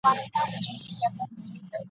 چي اسلام وي د طلا بلا نیولی ..